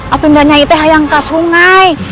atau nyai itu yang ke sungai